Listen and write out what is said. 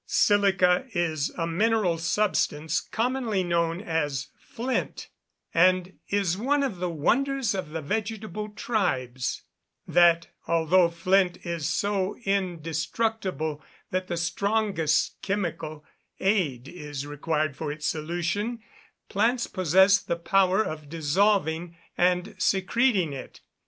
_ Silica is a mineral substance, commonly known as flint; and it is one of the wonders of the vegetable tribes, that, although flint is so indestructible that the strongest chemical aid is required for its solution, plants possess the power of dissolving and secreting it.